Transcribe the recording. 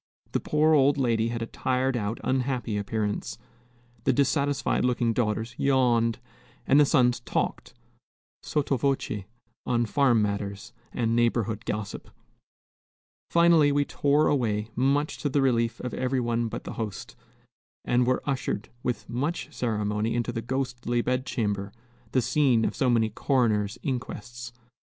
The poor old lady had a tired out, unhappy appearance, the dissatisfied looking daughters yawned, and the sons talked, sotto voce, on farm matters and neighborhood gossip. Finally, we tore away, much to the relief of every one but the host, and were ushered with much ceremony into the ghostly bed chamber, the scene of so many coroner's inquests.